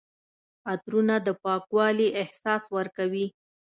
عطرونه د پاکوالي احساس ورکوي.